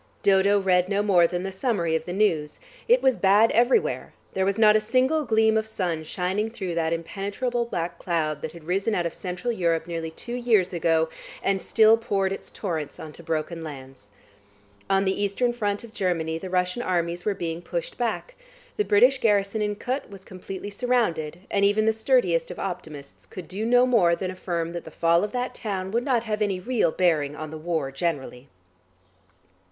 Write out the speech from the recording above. Dodo read no more than the summary of the news. It was bad everywhere; there was not a single gleam of sun shining through that impenetrable black cloud that had risen out of Central Europe nearly two years ago, and still poured its torrents on to broken lands. On the Eastern front of Germany the Russian armies were being pushed back; the British garrison in Kut was completely surrounded, and even the sturdiest of optimists could do no more than affirm that the fall of that town would not have any real bearing on the war generally.